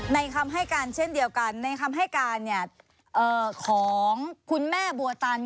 คำให้การเช่นเดียวกันในคำให้การของคุณแม่บัวตัน